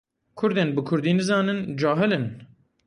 Kurdên bi kurdî nizanin, cahil in.